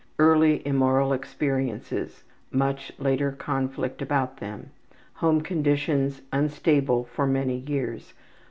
Early immoral experiences: much later conflict about them. Home conditions: unstable for many years.